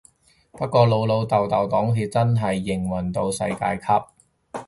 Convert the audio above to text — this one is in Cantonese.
不過老老豆豆黨鐵真係營運到世界級